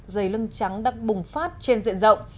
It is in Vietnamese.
giày lưng trắng đã bùng phát trên diện rộng